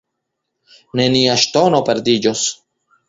Nenia ŝtono perdiĝos.